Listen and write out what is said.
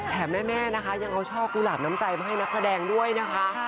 แม่นะคะยังเอาช่อกุหลาบน้ำใจมาให้นักแสดงด้วยนะคะ